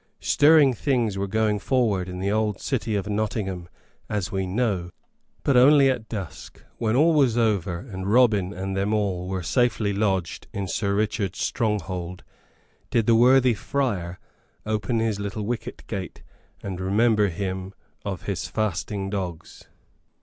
Stirring things were going forward in the old city of Nottingham, as we know; but only at dusk, when all was over and Robin and them all were safely lodged in Sir Richard's stronghold, did the worthy friar open his little wicket gate and remember him of his fasting dogs.